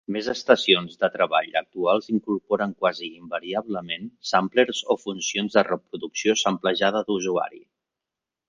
Més estacions de treball actuals incorporen quasi-invariablement samplers o funcions de reproducció samplejada d'usuari.